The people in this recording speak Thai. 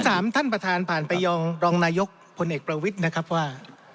ถามท่านประธานผ่านไปยองรองนายกพลเอกประวิทย์นะครับว่า